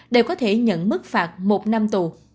đều có thể nhận mức phạt một năm tù